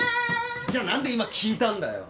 じゃあ何で今聞いたんだよ？